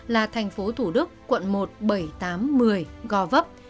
là tp thủ đức quận một bảy tám một mươi gò vấp